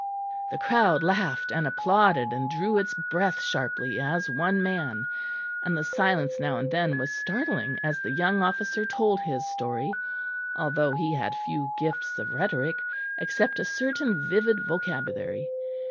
The crowd laughed and applauded and drew its breath sharply, as one man; and the silence now and then was startling as the young officer told his story; although he had few gifts of rhetoric, except a certain vivid vocabulary.